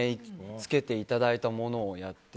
つけていただいたものをやって。